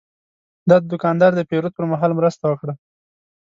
دا دوکاندار د پیرود پر مهال مرسته وکړه.